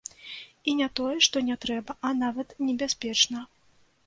І не тое што не трэба, а нават небяспечна.